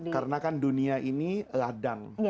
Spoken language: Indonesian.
karena kan dunia ini ladang